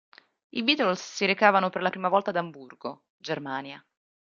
I Beatles si recavano per la prima volta ad Amburgo, Germania.